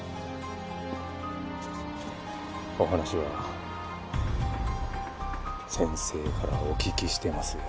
お話は先生からお聞きしてますよ。